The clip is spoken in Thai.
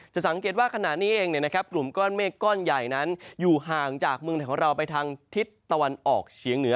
สังเกตว่าขณะนี้เองกลุ่มก้อนเมฆก้อนใหญ่นั้นอยู่ห่างจากเมืองไทยของเราไปทางทิศตะวันออกเฉียงเหนือ